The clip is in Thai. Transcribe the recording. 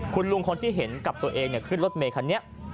คุณลุงคนที่เห็นกับตัวเองขึ้นรถเมย์คันนี้